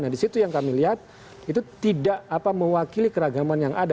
nah disitu yang kami lihat itu tidak mewakili keragaman yang ada